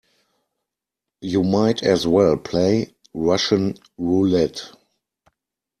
You might as well play Russian roulette.